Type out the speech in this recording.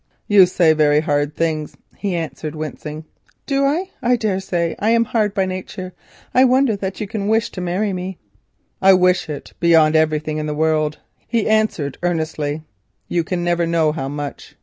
"You say very hard things," he answered, wincing. "Do I? I daresay. I am hard by nature. I wonder that you can wish to marry me." "I wish it beyond everything in the world," he answered earnestly. "You can never know how much.